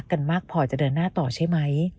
มากพอจะเดินหน้าต่อใช่ไหม